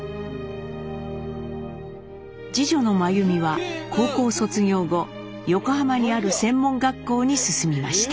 次女の眞弓は高校卒業後横浜にある専門学校に進みました。